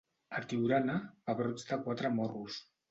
A Tiurana, pebrots de quatre morros.